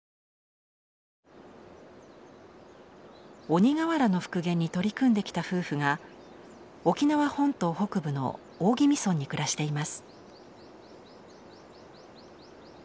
鬼瓦の復元に取り組んできた夫婦が沖縄本島北部の大宜味村に暮らしています。